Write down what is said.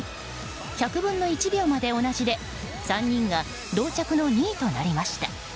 １００分の１秒まで同じで３人が同着の２位となりました。